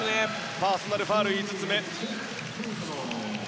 パーソナルファウル５つ目。